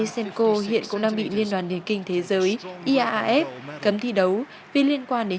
xin chào và hẹn gặp lại